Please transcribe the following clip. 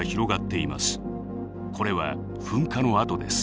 これは噴火の跡です。